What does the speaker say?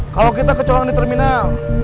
kalau kita kecolongan di terminal